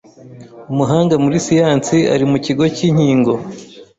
Umuhanga muri siyansi ari mu kigo cy'inkingo